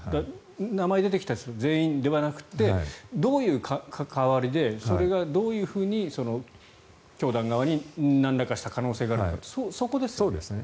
名前が出てきた人全員ではなくてどういう関わりでそれがどういうふうに教団側になんらかした可能性があるかってそこですよね。